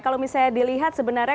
kalau misalnya dilihat sebenarnya